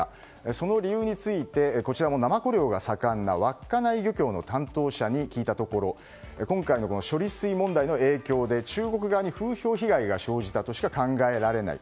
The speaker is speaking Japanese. その理由についてこちらもナマコ漁が盛んな稚内漁協の担当者に聞いたところ今回の処理水問題の影響で、中国側に風評被害が生じたとしか考えられない。